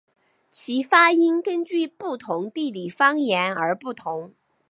其发音根据不同地理方言而不同。